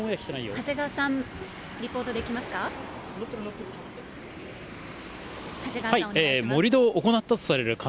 長谷川さん、リポートできますか？